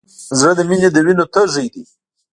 زړه د مینې له وینو تږی دی.